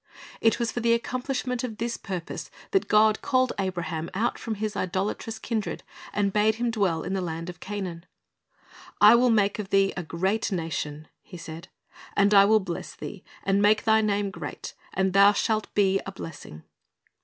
It was for the accomplishment of this purpose that God called Abraham out from his idolatrous kindred, and bade him dwell in the land of Canaan. "I will make of thee a great nation," He said, "and I will bless thee, and make thy name great; and thou shalt be a blessing."